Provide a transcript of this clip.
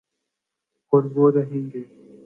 اوروہ رہیں گے۔